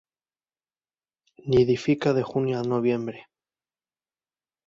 Nidifica de junio a noviembre.